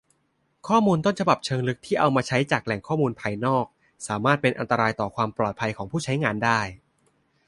ข้อมูลต้นฉบับเชิงลึกที่เอามาใช้จากแหล่งข้อมูลภายนอก สามารถเป็นอันตรายต่อความปลอดภัยของผู้ใช้งานได้